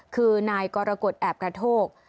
คือนายกรกฎแอบกระโทก